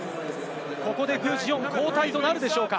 ここで具智元を交代となるでしょうか？